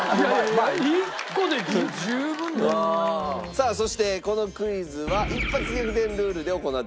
さあそしてこのクイズは一発逆転ルールで行っております。